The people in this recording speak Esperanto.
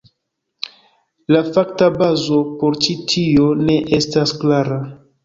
La fakta bazo por ĉi tio ne estas klara.